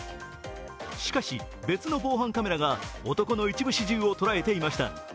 しかし、別の防犯カメラが男の一部始終を捉えていました。